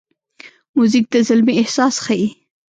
موزیک د زلمي احساس ښيي.